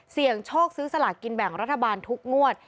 เสี่ยงโชคซื้อสลากกินแบ่งรัฐบาลทุกงวด